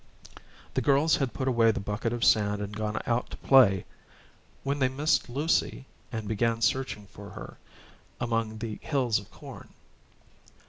The girls had put away the bucket of sand and gone out to play, when they missed Lucy, and began to search for her among the hills of corn.